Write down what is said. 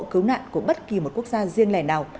cứu nạn của bất kỳ một quốc gia riêng lẻ nào